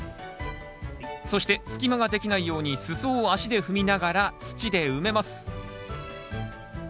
そして隙間ができないように裾を足で踏みながら土で埋めます。